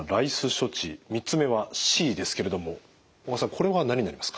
処置３つ目はＣですけれども小川さんこれは何になりますか？